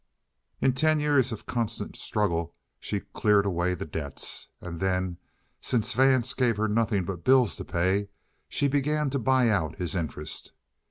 In ten years of constant struggle she cleared away the debts. And then, since Vance gave her nothing but bills to pay, she began to buy out his interest.